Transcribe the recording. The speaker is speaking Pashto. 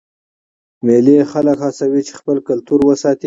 مېلې خلک هڅوي چې خپل کلتور وساتي.